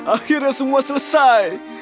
akhirnya semua selesai